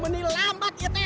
benih lampat iya teh